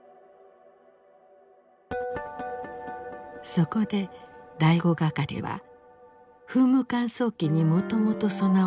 そこで第五係は噴霧乾燥機にもともと備わる